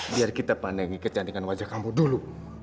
biar kita pandai kecantikan wajah kamu dulu